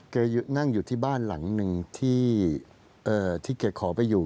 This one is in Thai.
นั่งอยู่ที่บ้านหลังหนึ่งที่แกขอไปอยู่